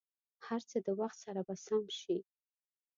هر څه د وخت سره به سم شي.